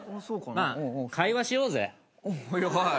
まあ会話しようぜ。